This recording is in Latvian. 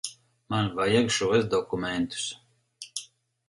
Man vajag šos dokumentus.